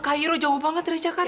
cairo jauh banget dari jakarta